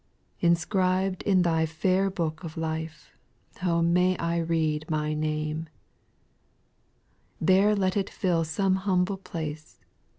4. Inscribed in Thy fair book of life, O may I read my name I There let it fill some humble place.